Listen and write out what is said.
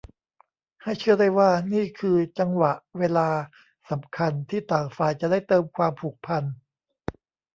ให้เชื่อได้ว่านี่คือจังหวะเวลาสำคัญที่ต่างฝ่ายจะได้เติมความผูกพัน